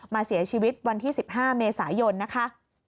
เสียชีวิตวันที่๑๕เมษายนนะคะ